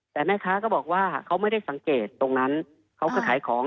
แต่แม่ค้าก็บอกว่าเขาไม่ได้สังเกตตรงนั้นเขาก็ขายของ